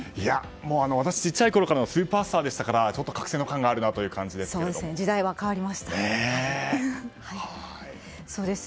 私、小さいころからのスーパースターでしたからちょっと隔世の感があるなと思いますが。